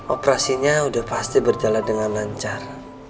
operasinya sudah pasti berjalan dengan lancar